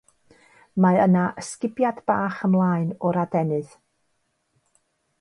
Mae yna ysgubiad bach ymlaen o'r adenydd.